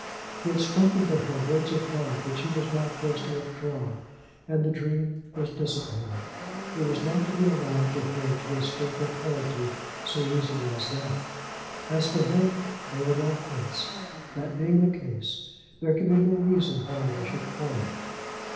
He had spoken to her words of love which he was now forced to withdraw, and the dream was dissipated. It was not to be allowed to her to escape her penalty so easily as that! As for him, they were now quits. That being the case, there could be no reason why they should quarrel.